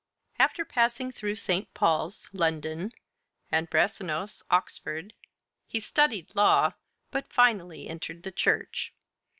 After passing through St. Paul's (London) and Brasenose (Oxford), he studied law, but finally entered the church.